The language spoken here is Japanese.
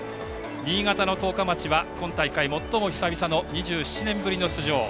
新潟の十日町は今大会、最も久々の２７年ぶりの出場。